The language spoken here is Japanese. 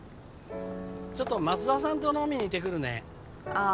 ちょっと松田さんと飲みに行ってくるねああ